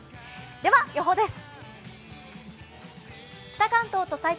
では予報です。